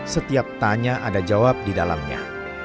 setiap tanya ada jawab di dalamnya